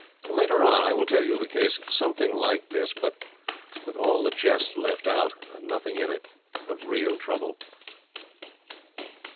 Later on, I will tell you of a case something like, this, but with all the jest left out and nothing in it but real trouble.